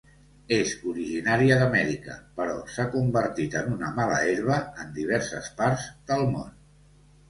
És originària d'Amèrica, però s'ha convertit en una mala herba en diverses parts del món.